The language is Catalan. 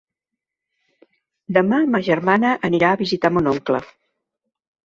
Demà ma germana anirà a visitar mon oncle.